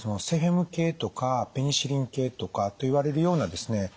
セフェム系とかペニシリン系とかといわれるようなですね